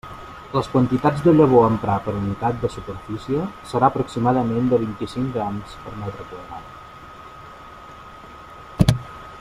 Les quantitats de llavor a emprar per unitat de superfície serà aproximadament de vint-i-cinc grams per metre quadrat.